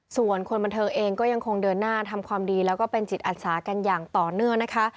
ส่วนคนบันเทิงเองก็ยังคงเดินหน้าทำความดีแล้วก็เป็นจิตอาสากันอย่างต่อเนื่องนะคะ